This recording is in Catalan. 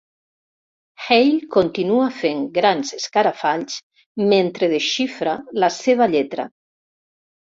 Hale continua fent grans escarafalls mentre desxifra la seva lletra.